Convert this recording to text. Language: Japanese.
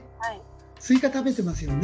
スイカ食べてますよね。